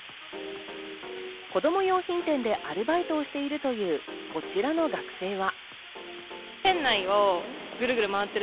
子供用品店でアルバイトをしているというこちらの学生は。